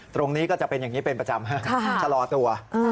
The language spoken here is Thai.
ตรงนี้ก็จะเป็นอย่างนี้เป็นประจำชะลอตัว